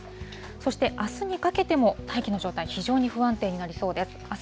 そして、あすにかけても大気の状態、非常に不安定になりそうです。